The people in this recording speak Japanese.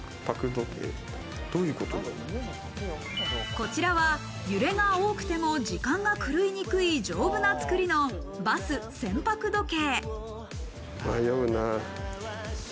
こちらは、揺れが多くても時間が狂いにくい丈夫な作りのバス・船舶時計。